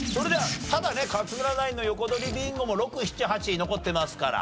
ただね勝村ナインの横取りビンゴも６７８位残ってますから。